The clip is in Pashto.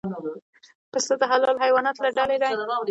پسه د حلالو حیواناتو له ډلې دی.